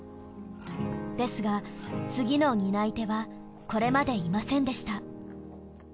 ですが次の担い手はこれまでいませんでした。